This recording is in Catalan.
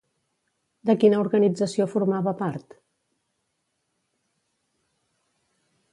De quina organització formava part?